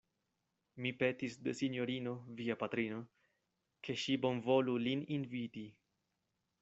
Mi petis de sinjorino via patrino, ke ŝi bonvolu lin inviti.